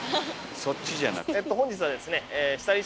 そっちじゃなくて。